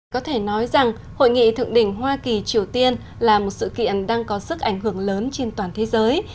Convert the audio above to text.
có thể nói rằng hội nghị thượng đỉnh hoa kỳ triều tiên là một sự kiện đang có sức ảnh hưởng lớn trên toàn thế giới